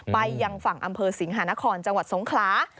ไปยังฝั่งอำเภอสิงหานครจังหวัดสงขลา